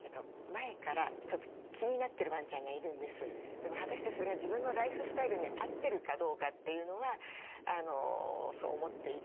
でも果たしてそれが自分のライフスタイルに合ってるかどうかというのはそう思っていて。